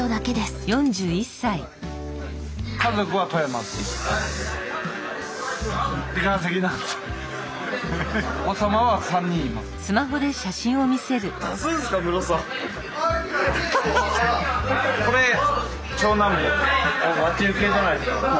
あっ待ち受けじゃないですか。